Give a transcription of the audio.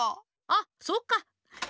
あそっか。